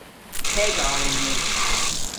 Hegar on ni.